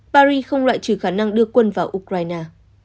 paris không loại trừ khả năng đưa quân vào ukraine